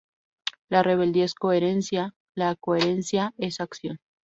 La rebeldía es coherencia, la coherencia es acción.